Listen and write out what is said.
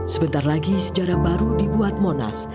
sebentar lagi sejarah baru dibuat monas